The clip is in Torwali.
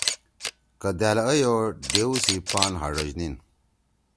کہ دأل آئیو ڈیؤ سی پان ہاڙشنیِن۔